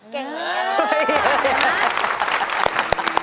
เก่งมาก